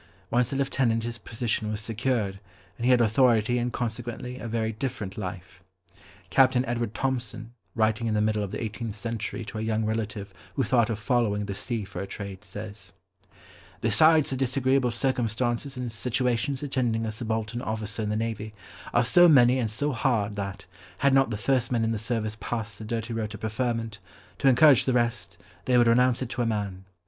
Once a lieutenant his position was secured, and he had authority and consequently a very different life. Captain Edward Thompson, writing in the middle of the eighteenth century to a young relative who thought of following the sea for a trade, says, "Besides, the disagreeable circumstances and situations attending a subaltern officer in the navy, are so many and so hard, that, had not the first men in the service passed the dirty road to preferment, to encourage the rest, they would renounce it to a man.